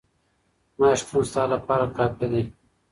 زما شتون ستا لپاره کافي دی.